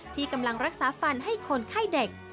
ที่กำลังรักษาฟันให้คนไข้เด็ก